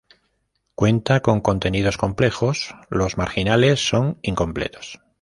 Cuenta con contenidos complejos, los marginales son incompletos.